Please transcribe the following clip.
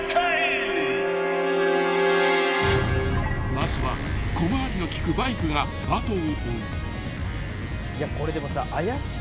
［まずは小回りの利くバイクが後を追う］